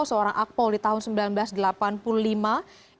yang dianggap sebagai pembawa akpol di tahun seribu sembilan ratus delapan puluh lima